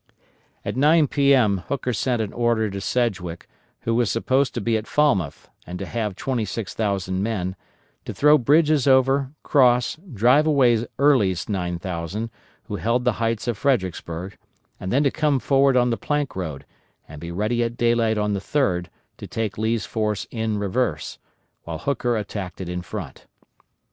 At 9 P.M., Hooker sent an order to Sedgwick, who was supposed to be at Falmouth and to have 26,000 men, to throw bridges over, cross, drive away Early's 9,000, who held the heights of Fredericksburg, and then to come forward on the Plank Road, and be ready at daylight on the 3d to take Lee's force in reverse, while Hooker attacked it in front.